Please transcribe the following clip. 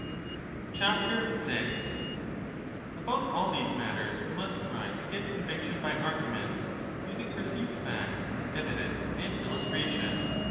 6 About all these matters we must try to get conviction by argument, using perceived facts as evidence and illustration.